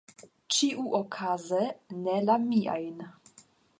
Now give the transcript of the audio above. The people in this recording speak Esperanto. Ĉiuokaze ne la miajn.